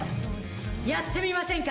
やってみませんか？